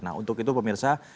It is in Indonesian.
nah untuk itu pemirsa